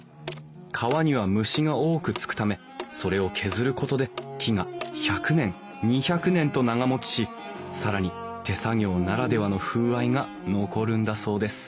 皮には虫が多くつくためそれを削ることで木が１００年２００年と長もちし更に手作業ならではの風合いが残るんだそうです